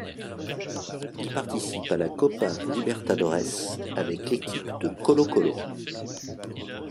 Il participe à la Copa Libertadores avec l'équipe de Colo-Colo.